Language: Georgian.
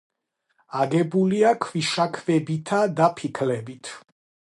აგებულია ქვიშაქვებითა და ფიქლებით.